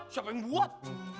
siapa yang buat